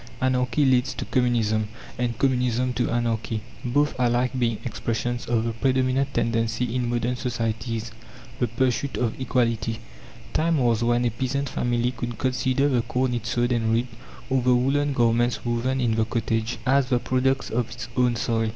Anarchy leads to Communism, and Communism to Anarchy, both alike being expressions of the predominant tendency in modern societies, the pursuit of equality. Time was when a peasant family could consider the corn it sowed and reaped, or the woolen garments woven in the cottage, as the products of its own soil.